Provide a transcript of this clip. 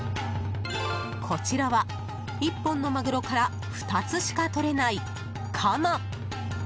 こちらは、１本のマグロから２つしか取れないカマ。